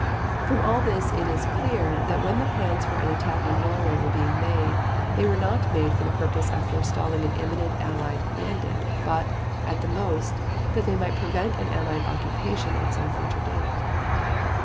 From all this it is clear that when the plans for an attack on Norway were being made, they were not made for the purpose of forestalling an imminent Allied landing, but, at the most, that they might prevent an Allied occupation at some future date.